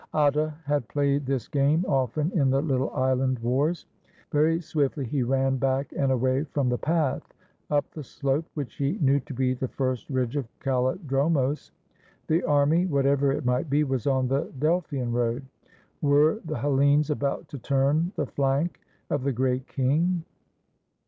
Atta had played this game often in the little island wars. Very swiftly he ran back and away from the path, up the slope which he knew to be the first ridge of Kal Udromos. The army, whatever it might be, was on the Delphian road. Were the Hellenes about to turn the flank of the Great King?